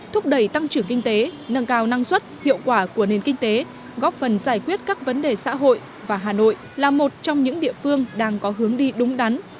thúc đẩy tăng trưởng kinh tế nâng cao năng suất hiệu quả của nền kinh tế góp phần giải quyết các vấn đề xã hội và hà nội là một trong những địa phương đang có hướng đi đúng đắn